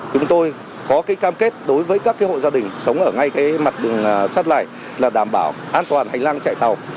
chúng tôi có cái cam kết đối với các cái hội gia đình sống ở ngay cái mặt đường sắt này là đảm bảo an toàn hành lang chạy tàu